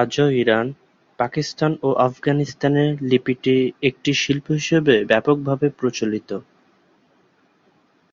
আজও ইরান, পাকিস্তান ও আফগানিস্তানে লিপিটি একটি শিল্প হিসেবে ব্যাপকভাবে প্রচলিত।